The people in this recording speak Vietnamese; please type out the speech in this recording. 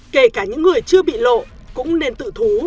kể cả những người chưa bị lộ cũng nên tự thú